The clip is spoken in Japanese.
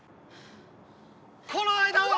この間は！！